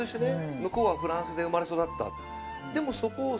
向こうはフランスで生まれ育った。